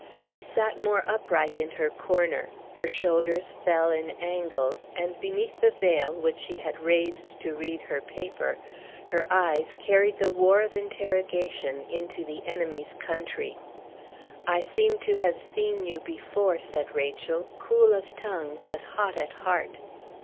She sat more upright in her corner, her shoulders fell in angles, and beneath the veil, which she had raised to read her paper, her eyes carried the war of interrogation into the enemy's country. "I seem to have seen you before," said Rachel, cool of tongue but hot at heart.